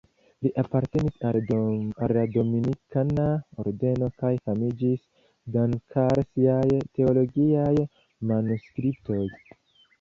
Li apartenis al la Dominikana Ordeno kaj famiĝis dank'al siaj teologiaj manuskriptoj.